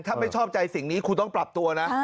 ถ้าไม่ชอบใจสิ่งนี้คุณต้องปรับตัวนะ